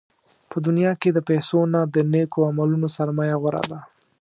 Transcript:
په دنیا کې د پیسو نه، د نېکو عملونو سرمایه غوره ده.